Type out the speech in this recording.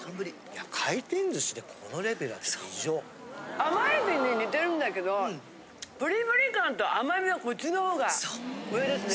甘えびに似てるんだけどプリプリ感と甘みはこっちの方が上ですね。